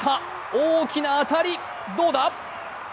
大きな当たり、どうだ？